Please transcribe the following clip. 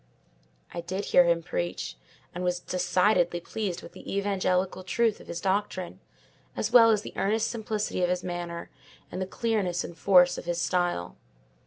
I did hear him preach, and was decidedly pleased with the evangelical truth of his doctrine, as well as the earnest simplicity of his manner, and the clearness and force of his style.